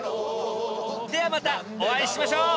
ではまたお会いしましょう！